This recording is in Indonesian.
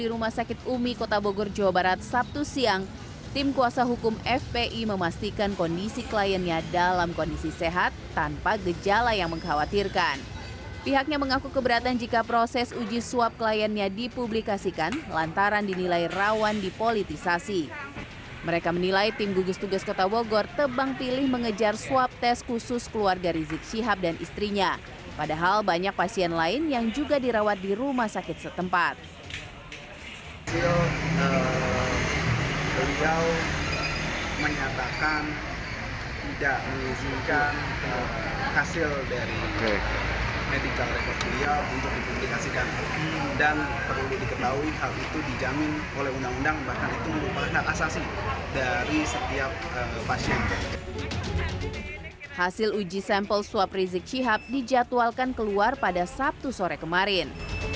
uji sampel swab rizik syihab dijadwalkan keluar pada sabtu sore kemarin